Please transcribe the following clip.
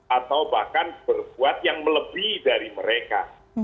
atau bahkan berbuat yang melebih dari mereka